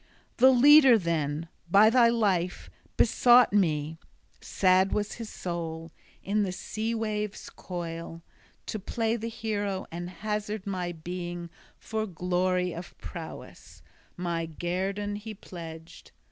The leader then, by thy life, besought me (sad was his soul) in the sea waves' coil to play the hero and hazard my being for glory of prowess: my guerdon he pledged.